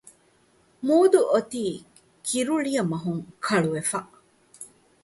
މޫދު އޮތީ ކިރުޅިޔަމަހުން ކަޅުވެފަ